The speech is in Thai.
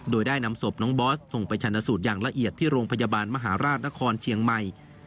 โดยได้นำศพน้องบอสส่งไปชนะสูตรอย่างละเอียดที่โรงพยาบาลมหาราชนครเชียงใหม่